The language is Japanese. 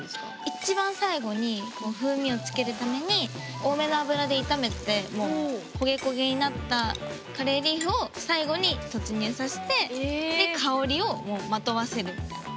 一番最後に風味をつけるために多めの油で炒めて焦げ焦げになったカレーリーフを最後に突入さして香りをまとわせるみたいな。